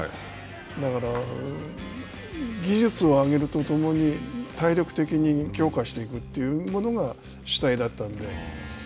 だから、技術を上げるとともに体力的に強化していくっていうものが主体だったので。